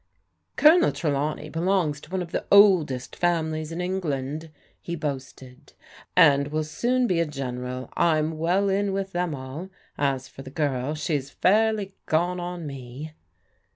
" Colonel Trelawney belongs to one of the oldest fam ilies in England," he boasted, " and will soon be a Gen eral. I'm well in with them all. As for the girl, she is fairly gone on me."